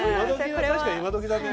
確かに今どきだね。